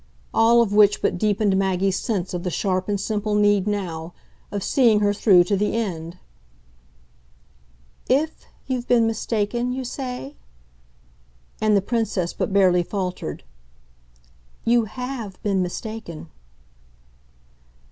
All of which but deepened Maggie's sense of the sharp and simple need, now, of seeing her through to the end. "'If' you've been mistaken, you say?" and the Princess but barely faltered. "You HAVE been mistaken."